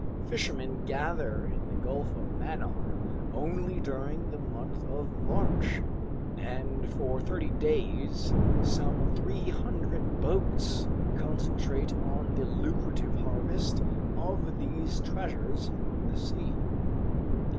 Fishermen gather in the Gulf of Mannar only during the month of March, and for thirty days some 300 boats concentrate on the lucrative harvest of these treasures from the sea.